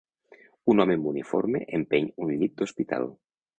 Un home amb uniforme empeny un llit d'hospital.